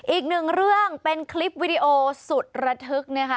อีกหนึ่งเรื่องเป็นคลิปวิดีโอสุดระทึกนะคะ